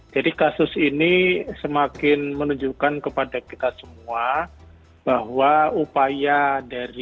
jadi kasus ini semakin menunjukkan kepada kita semua bahwa upaya dari